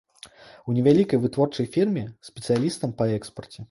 У невялікай вытворчай фірме, спецыялістам па экспарце.